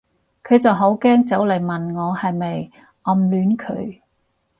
佢就好驚走嚟問我係咪暗戀佢